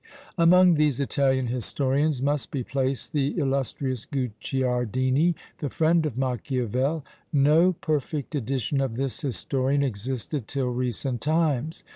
Among these Italian historians must be placed the illustrious Guicciardini, the friend of Machiavel. No perfect edition of this historian existed till recent times.